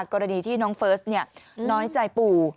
กรณีที่น้องเฟิร์สน้อยใจปู่